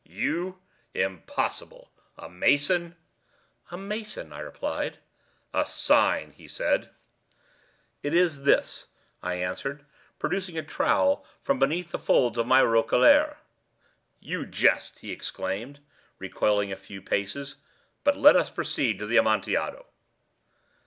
"You? Impossible! A mason?" "A mason," I replied. "A sign," he said. "It is this," I answered, producing a trowel from beneath the folds of my roquelaire. "You jest," he exclaimed, recoiling a few paces. "But let us proceed to the Amontillado."